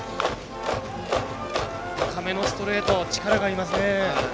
高めのストレート力がありますね。